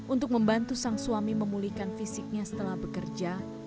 untuk membantu sang suami memulihkan fisiknya setelah bekerja